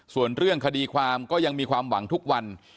ส่วนเรื่องคดีความก็ยังมีความหวังทุกวัน